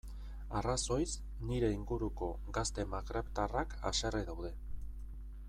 Arrazoiz, nire inguruko gazte magrebtarrak haserre daude.